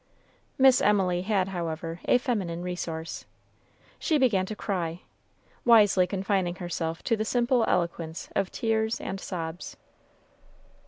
Miss Emily had, however, a feminine resource: she began to cry wisely confining herself to the simple eloquence of tears and sobs.